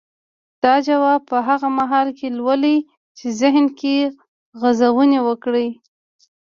دا ځواب به هغه مهال چې لولئ يې ذهن کې غځونې وکړي.